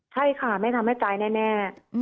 ใช่ค่ะไม่ทำให้ตายแน่